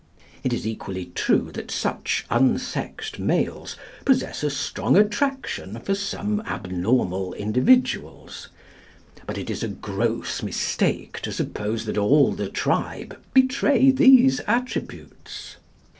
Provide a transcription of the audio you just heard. It is equally true that such unsexed males possess a strong attraction for some abnormal individuals. But it is a gross mistake to suppose that all the tribe betray these attributes.